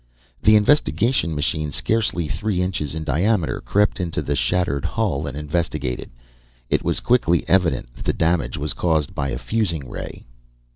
The investigation machine, scarcely three inches in diameter, crept into the shattered hull and investigated. It was quickly evident that the damage was caused by a fusing ray.